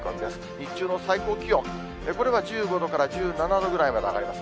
日中の最高気温、これが１５度から１７度ぐらいまで上がります。